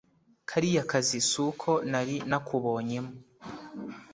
kariya kazi suko nari nakubonyemo